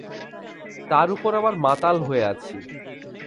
তার উপর আবার মাতাল হয়ে আছি।